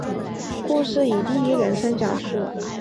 故事以第一人称讲述。